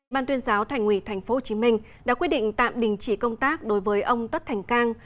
ban tuyên giáo thành ủy tp hcm đã quyết định tạm đình chỉ công tác đối với ông tất thành cang